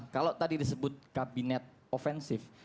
kalau tadi disebut kabinet ofensif